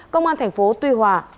công an thành phố tuy hòa